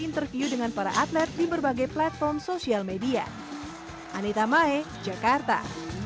interview dengan para atlet di berbagai platform sosial media anita mae jakarta